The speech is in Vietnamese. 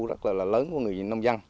nguồn thu rất là lớn của người nông dân